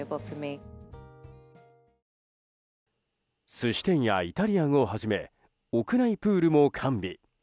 寿司店やイタリアンをはじめ屋内プールも完備。